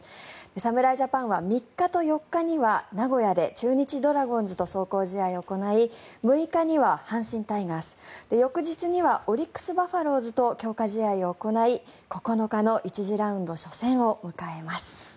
侍ジャパンは３日と４日には名古屋で中日ドラゴンズと壮行試合を行い６日には阪神タイガース翌日にはオリックス・バファローズと強化試合を行い９日の１次ラウンド初戦を迎えます。